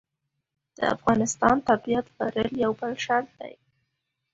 د افغانستان تابعیت لرل یو بل شرط دی.